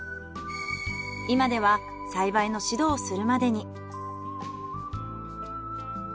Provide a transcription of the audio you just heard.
今では栽培の指導をするまでに。